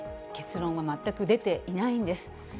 結論は全く出ていないんです。